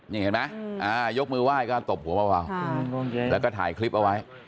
นี่เห็นไหมยกมือไหว้ก็ตบหัวเบาแล้วก็ถ่ายคลิปเอาไว้